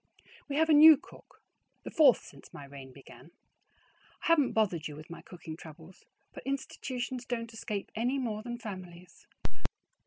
We have a new cook, the fourth since my reign began. I haven't bothered you with my cooking troubles, but institutions don't escape any more than families.